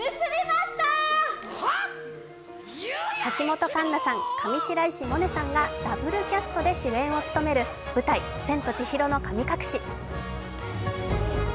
橋本環奈さん、上白石萌音さんがダブルキャストで主演を務める舞台「千と千尋の神隠し」。